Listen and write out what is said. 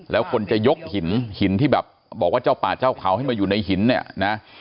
แล้วคนจะยกหินหินที่แบบบอกว่าเจ้าป่าเจ้าเขาให้มาอยู่ในหินเนี่ยนะ